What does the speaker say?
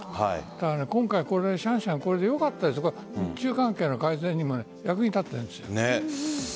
今回、シャンシャンはこれでよかったですが日中関係の改善にも役に立ったんです。